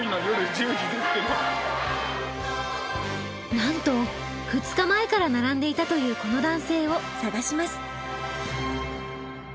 なんと２日前から並んでいたというこの男性を探します。